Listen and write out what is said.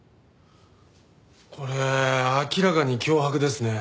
これ明らかに脅迫ですね。